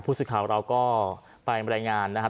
พูดสิทธิ์ข่าวเราก็ไปบรรยางานนะคะ